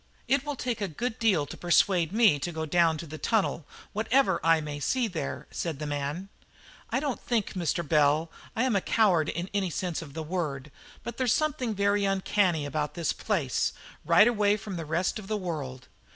"It will take a good deal to persuade me to go down to the tunnel, whatever I may see there," said the man. "I don't think, Mr. Bell, I am a coward in any sense of the word, but there's something very uncanny about this place, right away from the rest of the world.